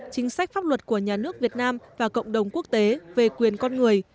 chính sách pháp luật của nhà nước việt nam và cộng đồng quốc tế về quyền con người